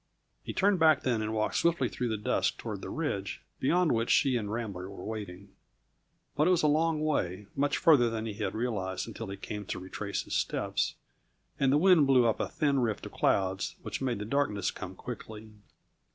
He turned back then and walked swiftly through the dusk toward the ridge, beyond which she and Rambler were waiting. But it was a long way much farther than he had realized until he came to retrace his steps and the wind blew up a thin rift of clouds which made the darkness come quickly.